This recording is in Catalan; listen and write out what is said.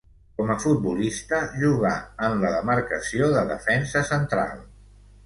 Com a futbolista jugà en la demarcació de defensa central.